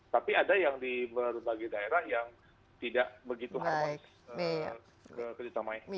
tapi ada yang di berbagai daerah yang tidak begitu harmonis kerjasama ini